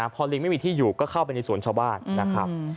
พอลิงไม่มีที่อยู่ก็เข้าไปในสวนชาวบ้านนะครับ